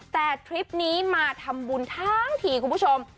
แต่ทริปนี้มาทำบุญทั้งทีคุณผู้ชม